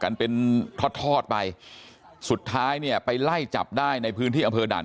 กันเป็นทอดทอดไปสุดท้ายเนี่ยไปไล่จับได้ในพื้นที่อำเภอด่าน